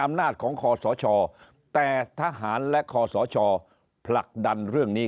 อำนาจของคอสชแต่ทหารและคอสชผลักดันเรื่องนี้